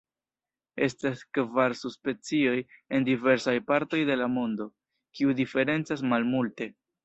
Estas kvar subspecioj en diversaj partoj de la mondo, kiu diferencas malmulte.